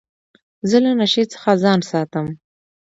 زه له نشې څخه ځان ساتم.